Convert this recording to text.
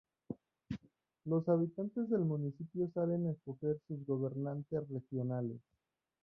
Los habitantes del municipio salen a escoger sus gobernantes regionales.